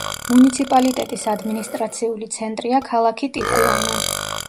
მუნიციპალიტეტის ადმინისტრაციული ცენტრია ქალაქი ტიხუანა.